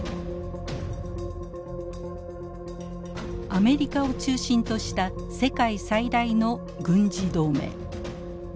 アメリカを中心とした世界最大の軍事同盟。